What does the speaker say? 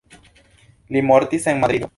Li mortis en Madrido.